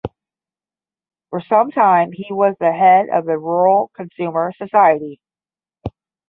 For some time he was the head of the rural consumer society.